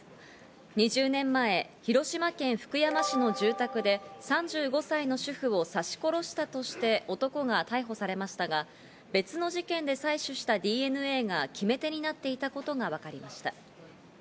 ２０年前、広島県福山市の住宅で、３５歳の主婦を刺し殺したとして男が逮捕されましたが、別の事件で採取したＤＮＡが決め手になっていたことがわかりました。